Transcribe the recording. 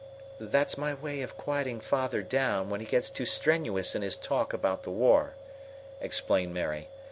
"That's my way of quieting father down when he gets too strenuous in his talk about the war," explained Mary.